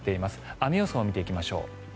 雨予想を見ていきましょう。